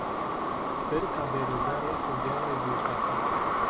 Sper ca derogarea să dea rezultate.